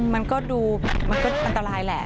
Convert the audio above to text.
มันก็ดูอันตรายแหล่ะ